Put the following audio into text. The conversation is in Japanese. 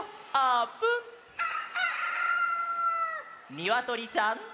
にわとりさん！